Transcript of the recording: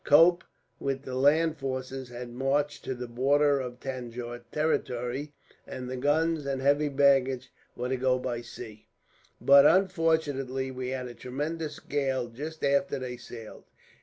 Cope, with the land forces, had marched to the border of the Tanjore territory, and the guns and heavy baggage were to go by sea. "But, unfortunately, we had a tremendous gale just after they sailed.